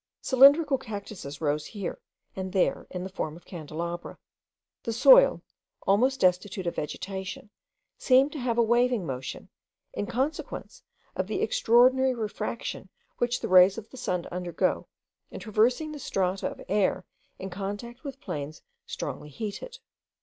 Cylindrical cactuses rose here and there in the form of candelabra. The soil, almost destitute of vegetation, seemed to have a waving motion, in consequence of the extraordinary refraction which the rays of the sun undergo in traversing the strata of air in contact with plains strongly heated.